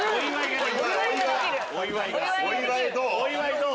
お祝いどう？